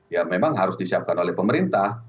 ya memang harus disiapkan oleh pemerintah